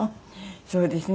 そうですね。